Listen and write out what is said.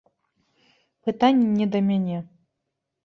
Пытанні не да мяне.